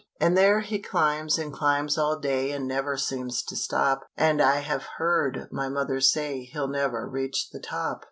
And there he climbs and climbs all day And never seems to stop, And I have heard my mother say He'll never reach the top.